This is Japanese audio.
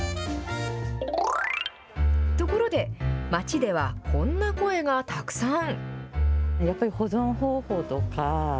ところで、街ではこんな声がたくさん。